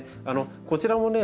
こちらもね